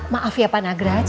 maaf ya pak nagras